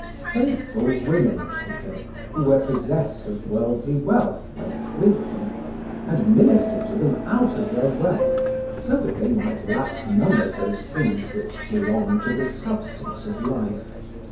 "Faithful women," he says, "who were possessed of worldly wealth went with them, and ministered to them out of their wealth, so that they might lack none of those things which belong to the substance of life."